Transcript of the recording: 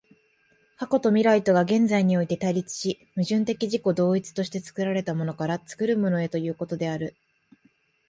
過去と未来とが現在において対立し、矛盾的自己同一として作られたものから作るものへということである。